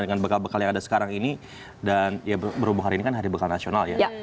dengan bekal bekal yang ada sekarang ini dan ya berhubung hari ini kan hari bekal nasional ya